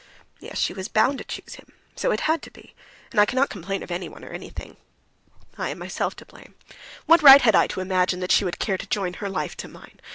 "Yes, she was bound to choose him. So it had to be, and I cannot complain of anyone or anything. I am myself to blame. What right had I to imagine she would care to join her life to mine?